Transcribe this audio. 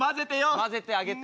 交ぜてあげて。